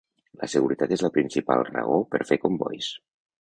La seguretat és la principal raó per fer combois.